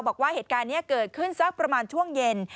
บอกว่าเหตุการณ์นี้เกิดขึ้นสักประมาณช่วงเย็น